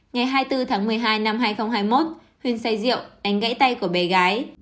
ngày hai mươi bốn tháng một mươi hai năm hai nghìn hai mươi một huyên say rượu đánh gãy tay của bé gái